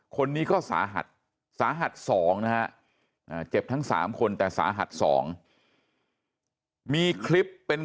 คนนี้ก็สาหัสสาหัส๒นะฮะเจ็บทั้ง๓คนแต่สาหัส๒มีคลิปเป็น